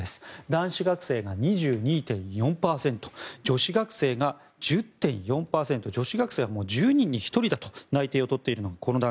男子学生が２２．４％女子学生が１０．４％女子学生は１０人に１人だとこの段階で内定を取っているのが。